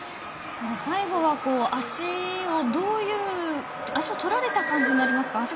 最後は足をとられた感じになりますか？